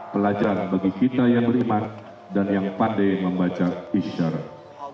pelajar bagi kita yang beriman dan yang pandai membaca isyarat